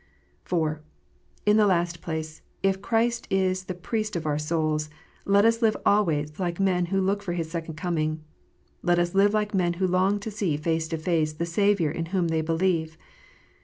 (4) In the last place, if Christ is the Priest of our souls, let us live always like men who look for His second coining. Let us live like men who long to see face to face the Saviour in whom they believe.